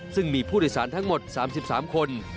ซึ่งมีผู้โดยสารทั้งหมด๓๓คน